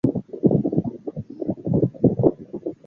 重檐歇山顶的拜亭。